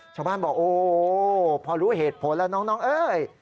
ชาวบ้านบอกโอ้พอรู้เหตุผลแล้วน้องเอ้ย